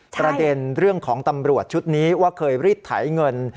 ประเด็นเรื่องของตำรวจชุดนี้ว่าเคยรีดไถเงิน